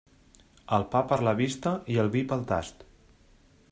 El pa per la vista i el vi pel tast.